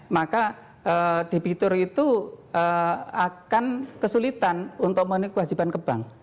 maka debitur itu akan kesulitan untuk memenuhi kewajiban ke bank